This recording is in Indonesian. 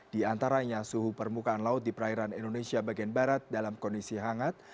di antaranya suhu permukaan laut di perairan indonesia bagian barat dalam kondisi hangat